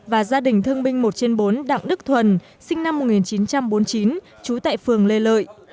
và gia đình thương binh một trên bốn đặng đức thuần sinh năm một nghìn chín trăm bốn mươi chín trú tại phường lê lợi